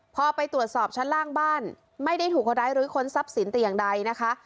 พอไปตรวจสอบชั้นล่างบ้านไม่ได้ถูกอะไรหรือคนซับสินติอย่างใดนะคะ